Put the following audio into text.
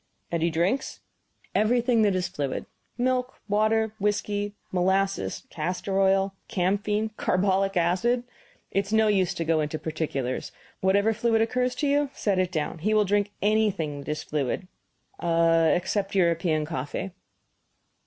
"And he drinks " "Everything that is fluid. Milk, water, whisky, molasses, castor oil, camphene, carbolic acid it is no use to go into particulars; whatever fluid occurs to you set it down. He will drink anything that is fluid, except European coffee."